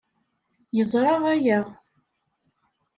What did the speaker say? Yeẓra aya.